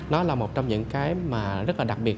nó là một trong những cái rất đặc biệt